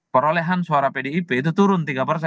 perolehan suara pdip itu turun tiga persen